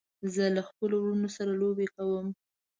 زه له خپلو وروڼو سره لوبې کوم.